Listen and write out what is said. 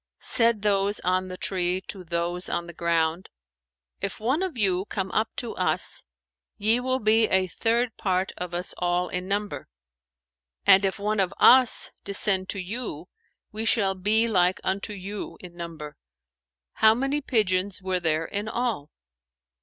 Said those on the tree to those on the ground, 'If one of you come up to us, ye will be a third part of us all in number; and if one of us descend to you, we shall be like unto you in number,' How many pigeons were there in all?"